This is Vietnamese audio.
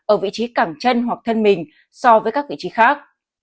ở vị trí cảng chân hoặc thân mình so với các vị trí khác